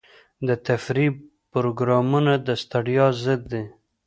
د تفریح پروګرامونه د ستړیا ضد دي.